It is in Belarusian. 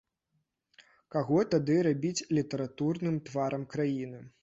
Каго тады рабіць літаратурным тварам краіны?